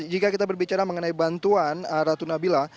jika kita berbicara mengenai bantuan ratu nabila